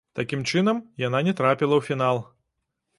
Такім чынам, яна не трапіла ў фінал.